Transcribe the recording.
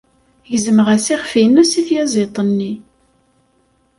Gezmeɣ-as iɣef-nnes i tyaziḍt-nni.